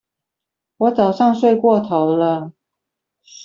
我早上睡過頭了